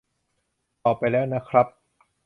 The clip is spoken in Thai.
ตอบไปแล้วนะครับ